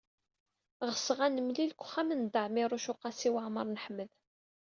Ɣseɣ ad nemlil deg uxxam n Dda Ɛmiiruc u Qasi Waɛmer n Ḥmed.